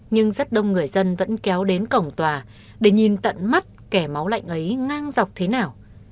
nhưng rất đông người dân vẫn kéo đến cổng tòa để nhìn tận mắt kẻ máu lạnh ấy ngang dọc thế nào